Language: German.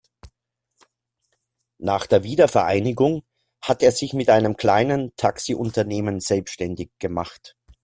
Nach der Wiedervereinigung hat er sich mit einem kleinen Taxiunternehmen selbstständig gemacht.